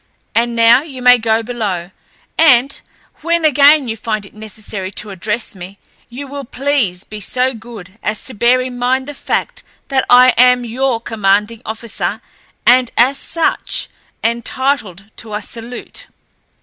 "And now you may go below, and, when again you find it necessary to address me, you will please be so good as to bear in mind the fact that I am your commanding officer, and as such entitled to a salute."